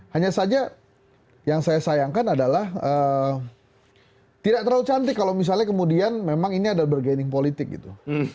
hanya saja yang saya sayangkan adalah tidak terlalu cantik kalau misalnya kemudian memang ini adalah bergaining politik gitu